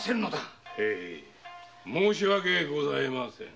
申し訳ございません。